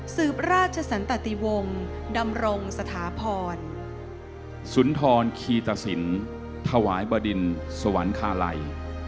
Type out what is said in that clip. พระราชสันตติวงศ์ดำรงสถาพรสุนทรคีตสินถวายบดินสวรรคาลัย